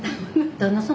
旦那さん。